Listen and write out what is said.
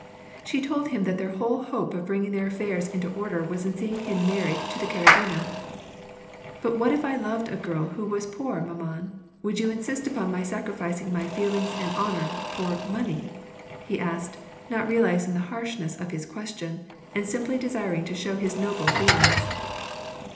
She told him that their whole hope of bringing their affairs into order was in seeing him married to the Karagina. " But what if I loved a girl who was poor, mamany would you insist upon my sacrificing my feelings and honor, for money ?^^ he asked, not realizing the harshness of his question, and simply desiring to show his noble feelings.